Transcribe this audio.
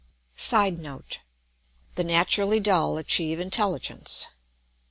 [Sidenote: The naturally dull achieve intelligence.